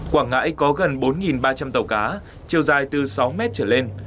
quảng ngãi có gần bốn ba trăm linh tàu cá chiều dài từ sáu mét trở lên